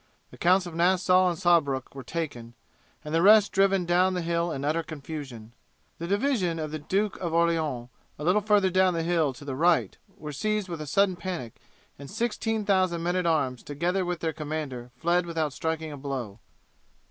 The Counts of Nassau and Saarbruck were taken, and the rest driven down the hill in utter confusion. The division of the Duke of Orleans, a little further down the hill to the right, were seized with a sudden panic, and 16,000 men at arms, together with their commander, fled without striking a blow.